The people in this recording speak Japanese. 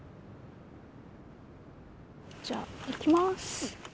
じゃあ行きます。